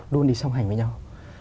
luôn đi song hành với nhau